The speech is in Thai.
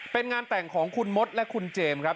เป็นงานแต่งของคุณมดและคุณเจมส์ครับ